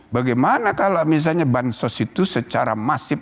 bagaimana kalau misalnya bansos itu secara masif